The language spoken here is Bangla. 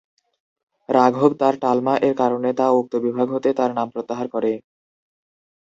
রাঘব তার "টালমা"-এর কারণে তা উক্ত বিভাগ হতে তার নাম প্রত্যাহার করে।